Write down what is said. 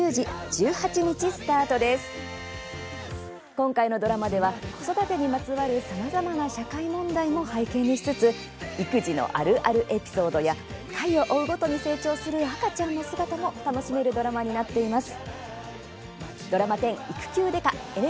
今回のドラマでは子育てにまつわるさまざまな社会問題も背景にしつつ育児のあるあるエピソードや回を追うごとに成長する赤ちゃんの姿も楽しめるドラマになっています。